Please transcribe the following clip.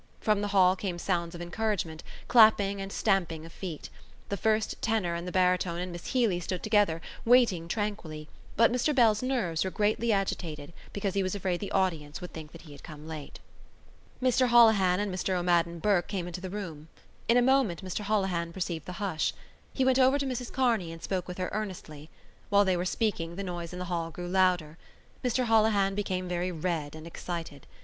From the hall came sounds of encouragement, clapping and stamping of feet. The first tenor and the baritone and Miss Healy stood together, waiting tranquilly, but Mr Bell's nerves were greatly agitated because he was afraid the audience would think that he had come late. Mr Holohan and Mr O'Madden Burke came into the room. In a moment Mr Holohan perceived the hush. He went over to Mrs Kearney and spoke with her earnestly. While they were speaking the noise in the hall grew louder. Mr Holohan became very red and excited.